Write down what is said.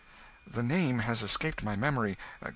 "The name has escaped my memory.